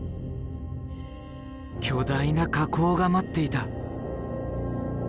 巨大な火口が待っていた。